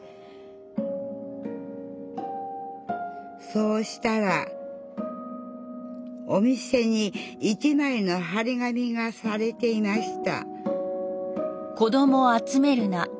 そうしたらお店に一まいの貼り紙がされていました